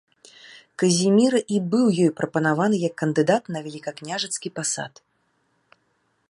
Казіміра і быў ёй прапанаваны як кандыдат на велікакняжацкі пасад.